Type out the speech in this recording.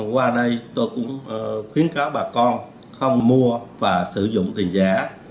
qua đây tôi cũng khuyến cáo bà con không mua và sử dụng tiền giả